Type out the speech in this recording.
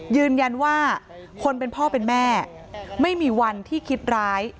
ยืนยันว่าคนเป็นพ่อเป็นแม่ไม่มีวันที่คิดร้าย